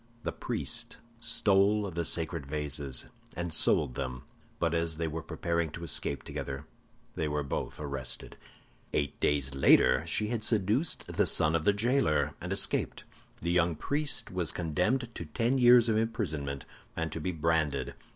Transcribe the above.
The priest stole the sacred vases, and sold them; but as they were preparing to escape together, they were both arrested. "Eight days later she had seduced the son of the jailer, and escaped. The young priest was condemned to ten years of imprisonment, and to be branded.